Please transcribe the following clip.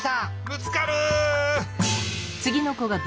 ぶつかる！